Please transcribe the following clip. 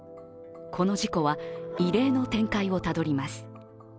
この事故は異例の展開をたどります。